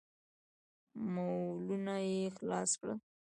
مولونه يې خلاص کړل.